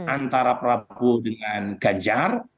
antara prabowo dengan ganjar